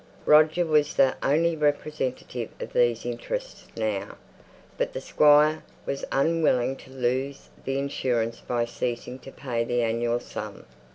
Roger was the only representative of these interests now; but the Squire was unwilling to lose the insurance by ceasing to pay the annual sum.